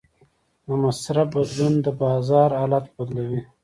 د مصرف بدلون د بازار حالت بدلوي.